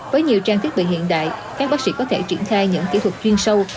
với nhiều trang thiết bị hiện đại các bác sĩ có thể triển khai những kỹ thuật chuyên sâu